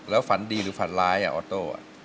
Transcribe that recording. แล้วฝันดีหรือฝันร้ายออโต้